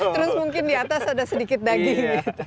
terus mungkin di atas ada sedikit daging